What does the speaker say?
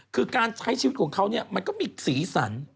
คือการใช้ชีวิตของเขาเนี่ยมันก็มีสีสัน